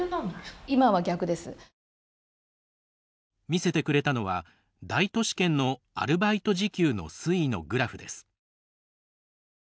見せてくれたのは大都市圏のアルバイト時給の推移のグラフです。